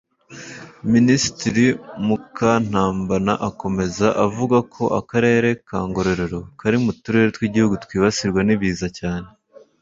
Minisitiri Mukantabana akomeza avuga ko akarere ka Ngororero kari mu turere tw’igihugu twibasirwa n’ibiza cyane